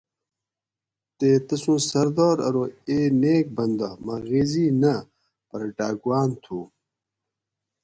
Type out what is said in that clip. تے تسوں سردار ارو اے نیک بندہ مہ غیزی نہ پرہ ڈاکواۤن تھو